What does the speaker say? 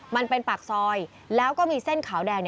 มันเป็นปากซอยแล้วก็มีเส้นขาวแดง